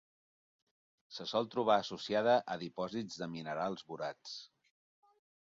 Se sol trobar associada a dipòsits de minerals borats.